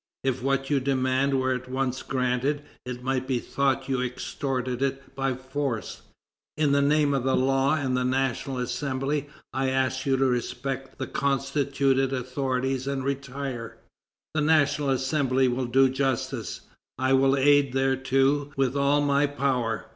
If what you demand were at once granted, it might be thought you extorted it by force. In the name of the law and the National Assembly, I ask you to respect the constituted authorities and retire. The National Assembly will do justice; I will aid thereto with all my power.